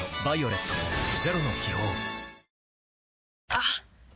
あっ！